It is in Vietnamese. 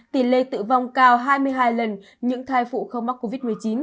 tỷ lệ tử vong cao hai mươi hai lần những thai phụ không mắc covid một mươi chín